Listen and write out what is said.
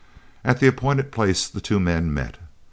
At the appointed place the two men met.